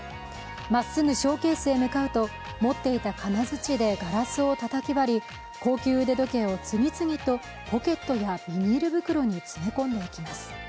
まっすぐショーケースへ向かうと持っていた金づちでガラスをたたき割り、高級腕時計を次々とポケットやビニール袋に詰め込んでいきます。